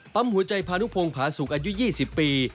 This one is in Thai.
ปั๊มหัวใจพานุพงภาษุอายุ๒๐ปี